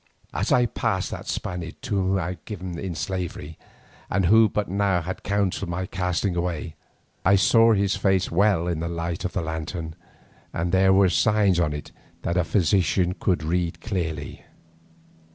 As I passed that Spaniard to whom I had been given in slavery, and who but now had counselled my casting away, I saw his face well in the light of the lantern, and there were signs on it that a physician could read clearly.